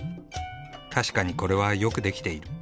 確かにこれはよく出来ている。